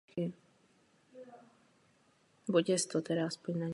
Dílo v ulicích Kasselu je památkově chráněno.